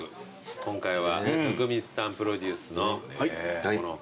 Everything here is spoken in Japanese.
今回は温水さんプロデュースのこの川越。